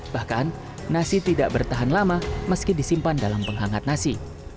bahkan nasi tidak bertahan lama meski disimpan dalam penghangat nasi